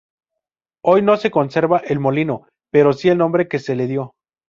Hoy no se conserva el molino pero sí el nombre que se le dió.